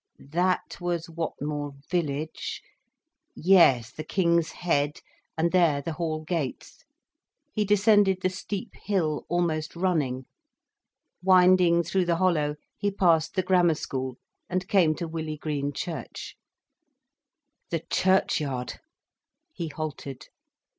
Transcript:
That was Whatmore Village—? Yes, the King's Head—and there the hall gates. He descended the steep hill almost running. Winding through the hollow, he passed the Grammar School, and came to Willey Green Church. The churchyard! He halted.